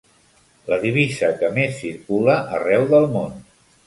La divisa que més circula arreu del món.